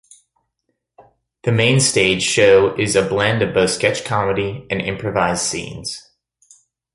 The mainstage show is a blend of both sketch comedy and improvised scenes.